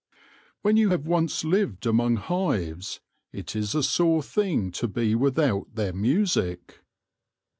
When you have once lived among hives it is a sore thing to be without their music.